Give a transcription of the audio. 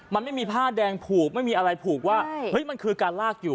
มันไม่มีผ้าแดงผูกไม่มีอะไรผูกว่าเฮ้ยมันคือการลากอยู่